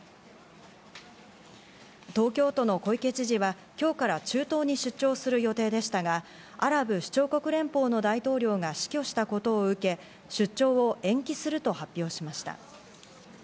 東京都の小池知事は、今日から中東に出張する予定でしたが、アラブ首長国連邦の大統領が死去したことを受け出張を延期すると発表しました。